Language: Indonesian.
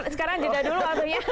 sekarang jeda dulu waktunya